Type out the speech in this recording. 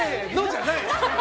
じゃない。